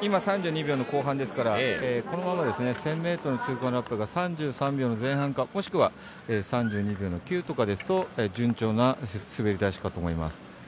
今３２秒の後半ですからこのまま、１０００ｍの通過ラップが３３秒の前半かもしくは３２秒の９ですと順調な滑り出しかと思います。